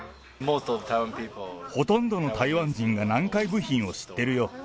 ほとんどの台湾人が南海部品を知ってるよ。